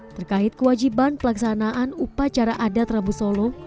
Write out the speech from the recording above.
terkait kewajiban pelaksanaan upacara adat rabu solo